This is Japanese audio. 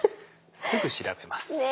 すぐ調べます。